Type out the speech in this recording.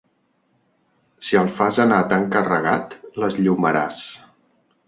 Si el fas anar tan carregat, l'esllomaràs.